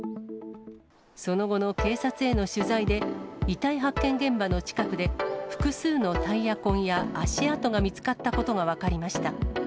その後の警察への取材で、遺体発見現場の近くで、複数のタイヤ痕や足跡が見つかったことが分かりました。